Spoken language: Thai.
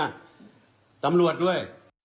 ตำรวจด้วย